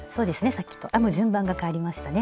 さっきと編む順番がかわりましたね。